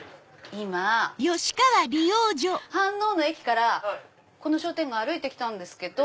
今飯能の駅からこの商店街歩いてきたんですけど。